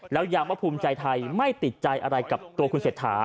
แล้วย้ำว่าภูมิใจไทยไม่ติดใจอะไรกับตัวคุณเศรษฐา